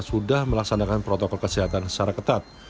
sudah melaksanakan protokol kesehatan secara ketat